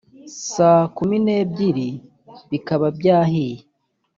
saa kumi n’ebyiri bikaba byahiye